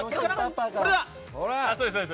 これだ！